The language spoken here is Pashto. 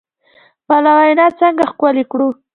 خپله وینا څنګه ښکلې کړو؟